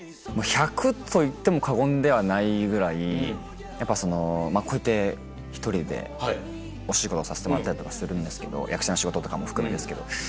１００と言っても過言ではないぐらいやっぱこうやって１人でお仕事させてもらったりとかするんですけど役者の仕事とかも含めですけど。